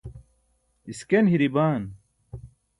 isken hiri baan